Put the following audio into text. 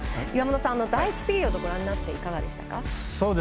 岩本さん、第１ピリオドをご覧になっていかがでしたか。